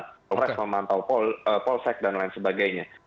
polres memantau polsek dan lain sebagainya